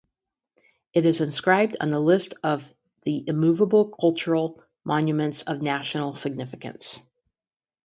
It is inscribed on the list of the Immovable Cultural Monuments of National Significance.